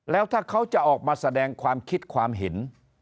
แล้วถ้าเขาจะออกมาแสดงความคิดความเห็น